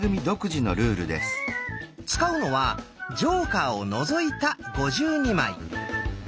使うのはジョーカーを除いた５２枚。